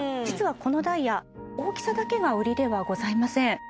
実はこのダイヤ大きさだけが売りではございません